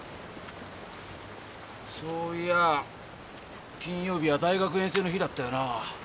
そういやあ金曜日は大学遠征の日だったよな。